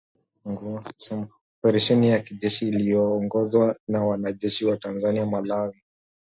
operesheni ya kijeshi ililiyoongozwa na wanajeshi wa Tanzania, Malawi